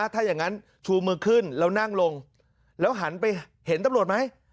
ถ้าอย่างนั้นชูมือขึ้นแล้วนั่งลงแล้วหันไปเห็นตำรวจไหม